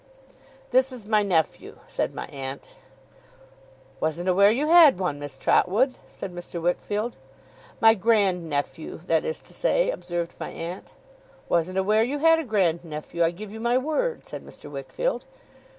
'This is my nephew,' said my aunt. 'Wasn't aware you had one, Miss Trotwood,' said Mr. Wickfield. 'My grand nephew, that is to say,' observed my aunt. 'Wasn't aware you had a grand nephew, I give you my word,' said Mr. Wickfield.